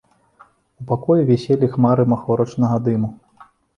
У пакоі віселі хмары махорачнага дыму.